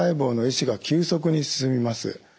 死が急速に進みます。